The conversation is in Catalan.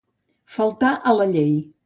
Faltar a la llei.